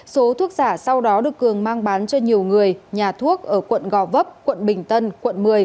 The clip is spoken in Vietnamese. số thuốc giả sau đó được cường mang bán cho nhiều người nhà thuốc ở quận gò vấp quận bình tân quận một mươi